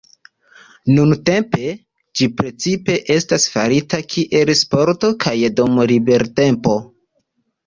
Nuntempe ĝi precipe estas farita kiel sporto kaj dum libertempo.